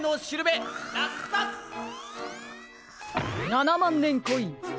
７まんねんコイン。